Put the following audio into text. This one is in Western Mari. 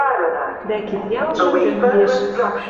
Дӓ кид-ялжы тӹнгеш